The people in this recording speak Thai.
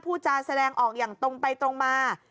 พูดจาแสดงออกอย่างตรงไปตรงมา